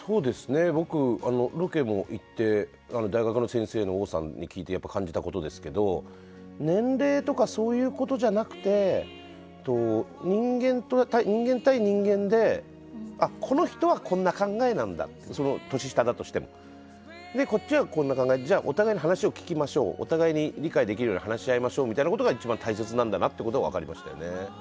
僕、ロケも行って大学に行って聞いて感じたことですけど、年齢とかそういうことじゃなくて人間対人間でこの人はこんな考えなんだと年下だとしても。こっちは、こんな考えお互いに話を聞きましょうお互い理解できるように話し合いましょうみたいなことが一番大切なんだなっていうこと分かりましたよね。